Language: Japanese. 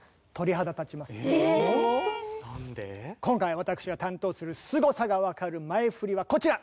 今回私が担当するすごさがわかる前フリはこちら！